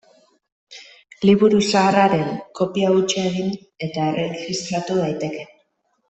Liburu zahar haren kopia hutsa egin eta erregistratu daiteke.